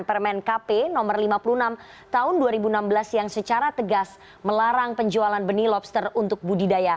permen kp no lima puluh enam tahun dua ribu enam belas yang secara tegas melarang penjualan benih lobster untuk budidaya